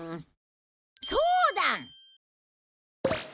そうだ！